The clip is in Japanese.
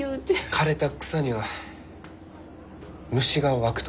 枯れた草には虫がわくと。